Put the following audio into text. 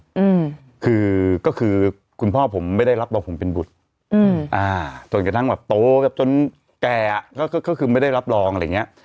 อืมคือก็คือคุณพ่อผมไม่ได้รับรองผมเป็นบุตรอืมอ่าจนกระทั่งแบบโตกับจนแก่อ่ะก็คือก็คือไม่ได้รับรองอะไรอย่างเงี้ย